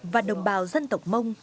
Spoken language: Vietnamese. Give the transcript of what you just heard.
và đồng bào dân tộc mông